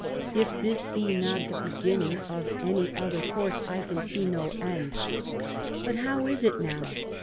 If this be not the beginning, of any other course I can see no end. But how is it now?